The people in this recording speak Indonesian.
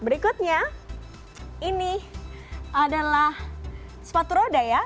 berikutnya ini adalah sepatu roda ya